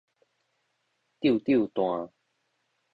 搐搐彈